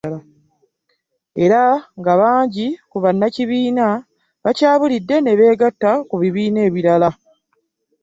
Era nga bangi ku bannakibiina bakyabulidde ne beegatta ku bibiina ebirala.